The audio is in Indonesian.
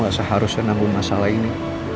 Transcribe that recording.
gue gak seharusnya nanggung masalah ini